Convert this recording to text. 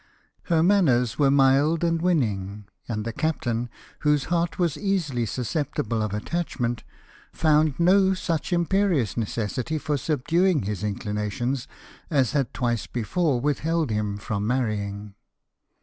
Her manners were mild and winning ; and the captain, whose heart was easily susceptible of attach ment, found no such imperious necessity for subdu ing his inclinations as had twice before withheld him from marrying.